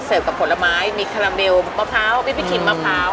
เสิร์ฟกับผลไม้มีคาราเมลมะพร้าวพริกพริกขิมมะพร้าว